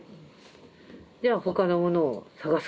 じゃあ他のものを探すか。